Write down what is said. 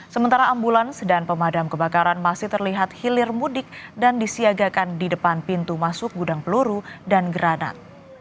sementara ambulans dan pemadam kebakaran masih terlihat hilir mudik dan disiagakan di depan pintu masuk gudang peluru dan granat